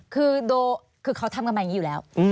คือเขาทำกันมาอย่างนี้อยู่แล้ว